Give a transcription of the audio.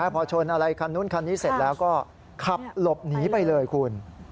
พอชนอะไรคันนู้นคันนี้เสร็จแล้วก็ขับหลบหนีไปเลยคุณ